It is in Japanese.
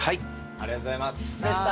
ありがとうございます。